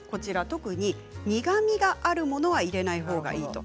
特に苦みがあるものは入れないほうがいい。